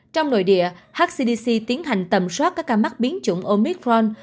trong nội địa hcdc tiến hành tầm soát các ca mắc biến chủng omitron